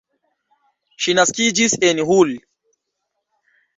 Ŝi naskiĝis en Hull.